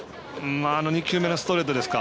２球目のストレートですか。